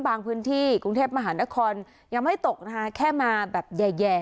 พื้นที่กรุงเทพมหานครยังไม่ตกนะคะแค่มาแบบแย่